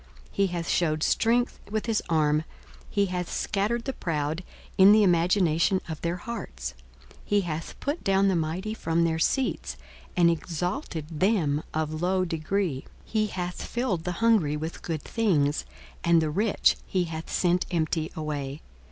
42:001:051 He hath shewed strength with his arm; he hath scattered the proud in the imagination of their hearts. 42:001:052 He hath put down the mighty from their seats, and exalted them of low degree. 42:001:053 He hath filled the hungry with good things; and the rich he hath sent empty away.